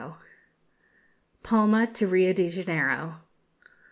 PALMA TO RIO DE JANEIRO.